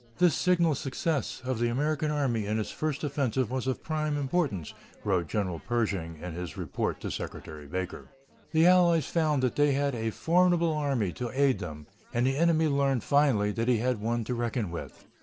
"This signal success of the American Army in its first offensive was of prime importance," wrote General Pershing in his report to Secretary Baker. "The Allies found that they had a formidable army to aid them, and the enemy learned finally that he had one to reckon with."